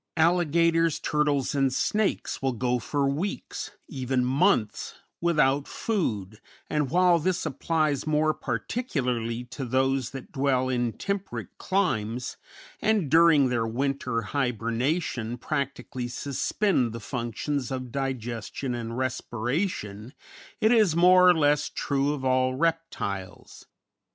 Alligators, turtles, and snakes will go for weeks, even months, without food, and while this applies more particularly to those that dwell in temperate climes and during their winter hibernation practically suspend the functions of digestion and respiration, it is more or less true of all reptiles.